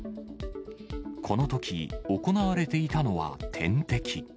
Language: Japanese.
このとき、行われていたのは点滴。